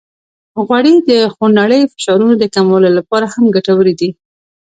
غوړې د خونړیو فشارونو د کمولو لپاره هم ګټورې دي.